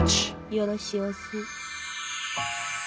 よろしおす。